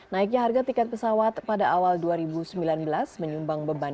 naiknya harga tiket pesawat pada awal dua ribu sembilan belas menyumbang beban